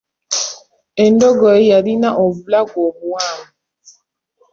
Endogoyi yalina obulago obuwanvu.